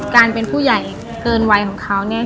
การเป็นผู้ใหญ่เกินวัยของเขาเนี่ย